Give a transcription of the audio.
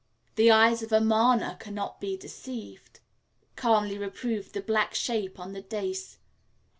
"The eyes of Amarna cannot be deceived," calmly reproved the black shape on the dais.